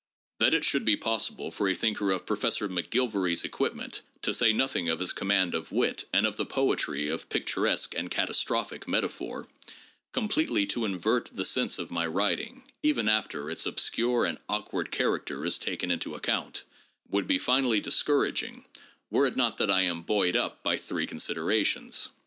That it should be possible for a thinker of Professor McGilvary's equipment — to say nothing of his command of wit and of the poetry of picturesque and catastrophic metaphor — completely to invert the sense of my writing, even after its obscure and awkward character is taken into account, would be finally discouraging, were it not that I am buoyed up by three considerations.